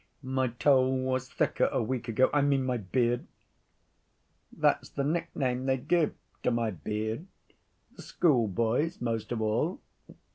My tow was thicker a week ago—I mean my beard. That's the nickname they give to my beard, the schoolboys most of all.